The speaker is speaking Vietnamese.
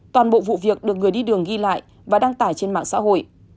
toàn bộ vụ việc được người đi đường ghi lại và đăng tải trên mạng xã hội